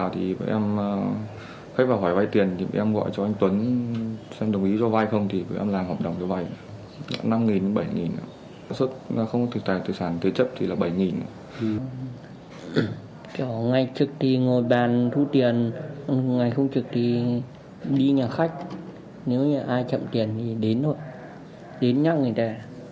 đi nhà khách nếu ai chậm tiền thì đến thôi đến nhắc người ta